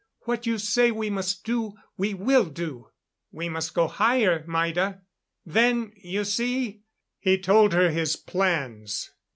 "What you say we must do, we will do." "We must go higher, Maida. Then, you see...." He told her his plans.